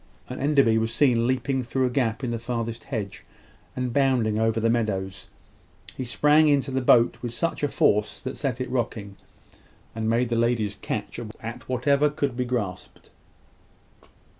and Enderby was seen leaping through a gap in the farthest hedge, and bounding over the meadow. He sprang into the boat with a force which set it rocking, and made the ladies catch at whatever could be grasped.